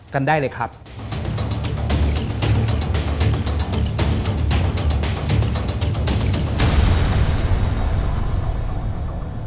โปรดติดตามตอนต่อไป